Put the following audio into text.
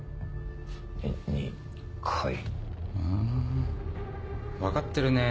２回？ん分かってるねぇ。